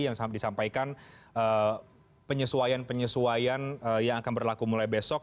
yang disampaikan penyesuaian penyesuaian yang akan berlaku mulai besok